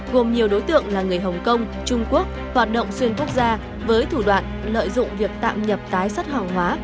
gồm nhiều đối tượng là người hồng kông trung quốc hoạt động xuyên quốc gia với thủ đoạn lợi dụng việc tạm nhập tái xuất hàng hóa